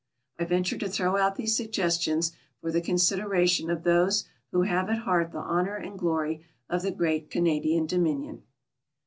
I venture to throw out these suggestions for the consideration of those who have at heart the honor and glory of the great Canadian Dominion.